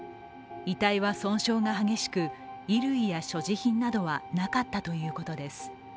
遺体は損傷が激しく衣類や所持品などはなかったということです。